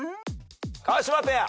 川島ペア。